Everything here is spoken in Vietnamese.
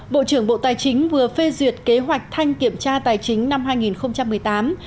bộ trưởng bộ tài chính vừa phê duyệt kế hoạch thanh kiểm tra tài chính năm hai nghìn một mươi tám